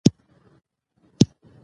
عبارت د مانا وضاحت کوي.